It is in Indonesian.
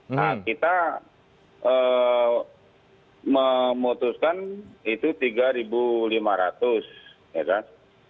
nah kita memutuskan itu tiga lima ratus ya kan